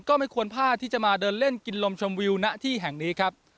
ก็ไม่ควรพลาดที่จะมาเดินเล่นกินลมชมวิวณที่แห่งนี้ครับ